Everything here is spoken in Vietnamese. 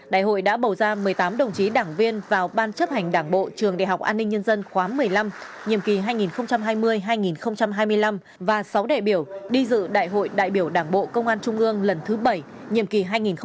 đại hội đã bầu ra một mươi tám đồng chí đảng viên vào ban chấp hành đảng bộ trường đại học an ninh nhân dân khóa một mươi năm nhiệm kỳ hai nghìn hai mươi hai nghìn hai mươi năm và sáu đại biểu đi dự đại hội đại biểu đảng bộ công an trung ương lần thứ bảy nhiệm kỳ hai nghìn hai mươi hai nghìn hai mươi năm